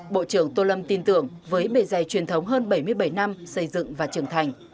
bộ trưởng tô lâm tin tưởng với bề dày truyền thống hơn bảy mươi bảy năm xây dựng và trưởng thành